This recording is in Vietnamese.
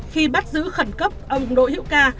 khi bắt giữ khẩn cấp ông đỗ hiệu ca